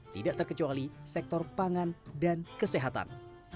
tidak terkecuali sektor pangan dan kesehatan